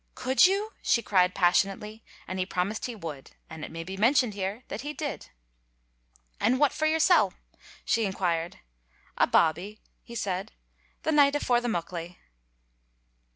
"Could you?" she cried passionately, and he promised he would, and it may be mentioned here that he did. "And what for yoursel'?" she inquired. "A bawbee," he said, "the night afore the Muckley."